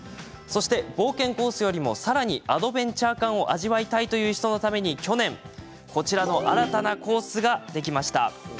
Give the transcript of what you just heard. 冒険コースよりもさらにアドベンチャー感を味わいたいという人のために去年、新たなコースができました。